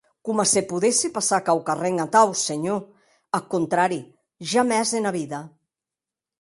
Coma se podesse passar quauquarren atau, senhor; ath contrari, jamès ena vida.